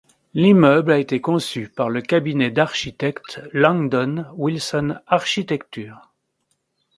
L'immeuble a été conçu par le cabinet d'architecte Langdon Wilson Architecture.